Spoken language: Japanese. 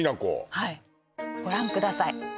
はいご覧ください